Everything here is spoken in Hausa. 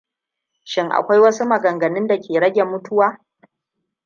Shin akwai wasu magungunan da ke rage mutuwa?